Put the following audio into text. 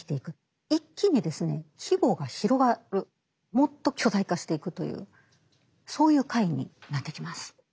もっと巨大化していくというそういう回になってきます。